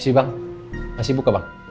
sih bang masih buka bang